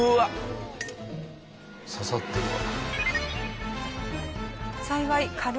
刺さってるわ。